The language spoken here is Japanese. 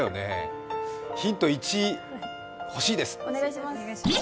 ヒント１、欲しいです。